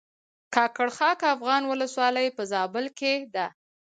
کاکړ خاک افغان ولسوالۍ په زابل کښې ده